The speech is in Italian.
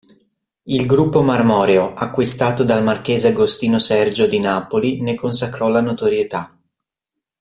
Il gruppo marmoreo, acquistato dal marchese Agostino Sergio di Napoli ne consacrò la notorietà.